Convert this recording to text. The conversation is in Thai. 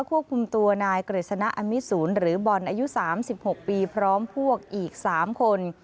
ควบคุมตัวนายเกรษนะอัมิศูนย์หรือบอลอายุสามสิบหกปีพร้อมพวกอีกสามคน